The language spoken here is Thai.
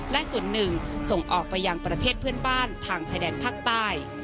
และส่วนหนึ่งส่งออกไปยังประเทศเพื่อนบ้านทางชายแดนภาคใต้